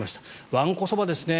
わんこそばですね。